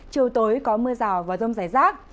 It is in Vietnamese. chiều tối có mưa rào và rông rải rác